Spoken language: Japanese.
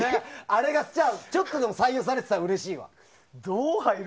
あれがちょっとでも採用されてたらうれしいわ。